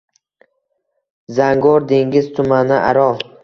Zangor dengiz tumani aro!..